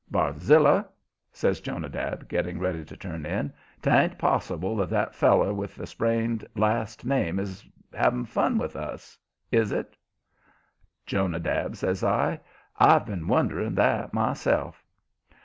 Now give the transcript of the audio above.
"Barzilla," says Jonadab, getting ready to turn in, "'tain't possible that that feller with the sprained last name is having fun with us, is it?" "Jonadab," says I, "I've been wondering that myself."